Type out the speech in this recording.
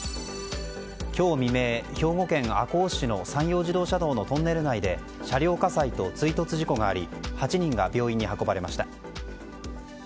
今日未明、兵庫県赤穂市の山陽自動車道のトンネル内で車両火災と追突事故があり８人が病院に運ばれました。